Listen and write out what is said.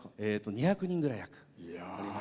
２００人ぐらい。